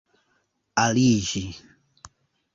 aliĝi